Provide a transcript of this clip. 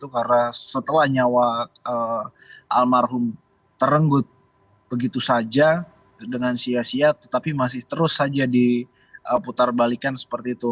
karena setelah nyawa almarhum terenggut begitu saja dengan sia sia tetapi masih terus saja diputar balikan seperti itu